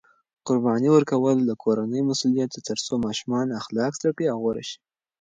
قرباني ورکول د کورنۍ مسؤلیت دی ترڅو ماشومان اخلاق زده کړي او غوره شي.